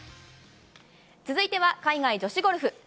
続いては海外女子ゴルフ。